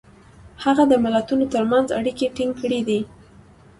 هغه د ملتونو ترمنځ اړیکې ټینګ کړي دي.